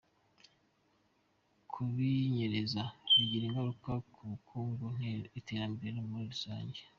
Kubinyereza bigira ingaruka ku bukungu n’iterambere muri rusange.